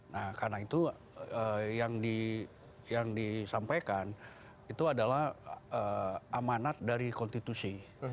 nah karena itu yang disampaikan itu adalah amanat dari konstitusi